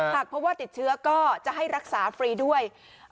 หากพบว่าติดเชื้อก็จะให้รักษาฟรีด้วย